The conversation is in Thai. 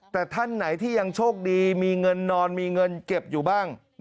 แต่ท่านไหนที่ยังโชคดีมีเงินนอนมีเงินเก็บอยู่บ้าง